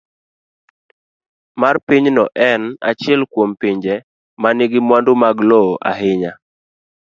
C. mar Pinyno en achiel kuom pinje ma nigi mwandu mag lowo ahinya.